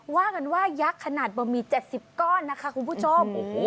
ว่ากันว่ายักษ์ขนาดบะหมี่๗๐ก้อนนะคะคุณผู้ชม